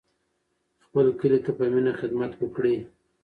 خپل کلي ته په مینه خدمت وکړئ.